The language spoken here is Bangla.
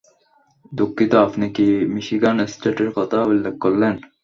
দুঃখিত, আপনি কি মিশিগান স্ট্যাটের কথা উল্লেখ করলেন?